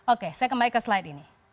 oke saya kembali ke slide ini